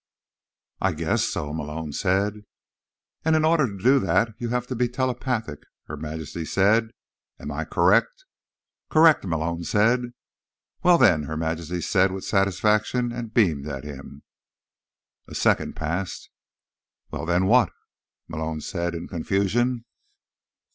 "I guess so," Malone said. "And in order to do that, you'd have to be telepathic," Her Majesty said. "Am I correct?" "Correct," Malone said. "Well, then," Her Majesty said with satisfaction, and beamed at him. A second passed. "Well, then, what?" Malone said in confusion.